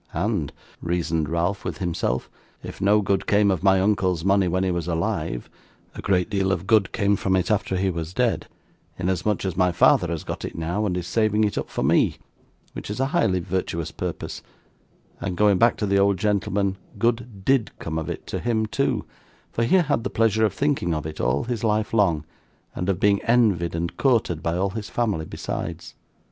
'And,' reasoned Ralph with himself, 'if no good came of my uncle's money when he was alive, a great deal of good came of it after he was dead, inasmuch as my father has got it now, and is saving it up for me, which is a highly virtuous purpose; and, going back to the old gentleman, good DID come of it to him too, for he had the pleasure of thinking of it all his life long, and of being envied and courted by all his family besides.